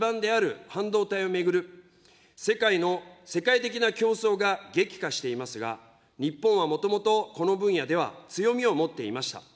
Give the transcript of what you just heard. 今、デジタル社会を支える重要な基盤である半導体を巡る世界の、世界的な競争が激化していますが、日本はもともと、この分野では強みを持っていました。